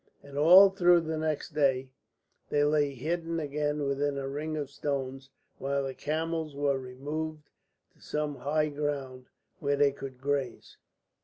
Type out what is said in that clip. And all through the next day they lay hidden again within a ring of stones while the camels were removed to some high ground where they could graze.